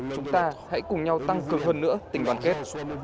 chúng ta hãy cùng nhau tăng cường hơn nữa tình đoàn kết